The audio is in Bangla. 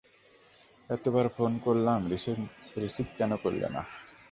এতোবার ফোন করলাম, রিসিভ কেন করলে না?